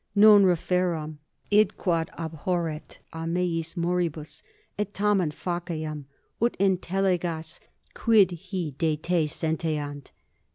Non referam, id quod abhorret a meis moribus, et tamen faciam ut intellegas, quid hi de te sentiant.